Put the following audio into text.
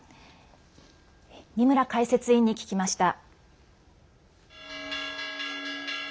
二村解説委員に聞きました。